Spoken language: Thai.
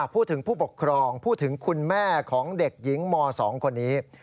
พูดถึงผู้ปกครองพูดถึงคุณแม่ของเด็กหญิงม๒คนนี้